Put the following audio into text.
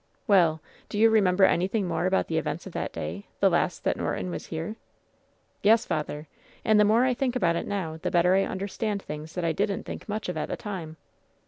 "Well, do you remember anything more about the events of that day — ^the last that Norton was here V* "Yes, father. And the more I think about it now, the better I understand things that I didn't think much of at the time."